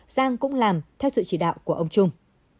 giang cũng làm theo sự chỉ đạo của ông trung